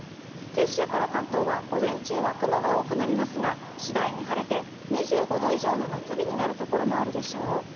九州から関東は午前中は雲が多くなりますが次第に晴れて２５度以上の夏日になるところがあるでしょう。